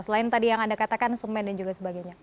selain tadi yang anda katakan semen dan juga sebagainya